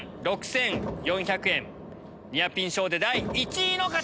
１万６４００円ニアピン賞で第１位の方！